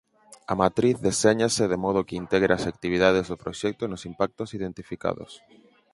A matriz deséñase de modo que integre as actividades do proxecto nos impactos identificados.